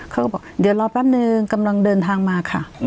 เขาก็บอกเดี๋ยวรอแป๊บนึงกำลังเดินทางมาค่ะ